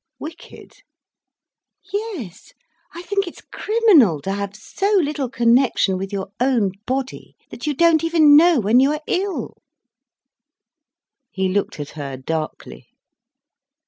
"Wicked?" "Yes. I think it's criminal to have so little connection with your own body that you don't even know when you are ill." He looked at her darkly.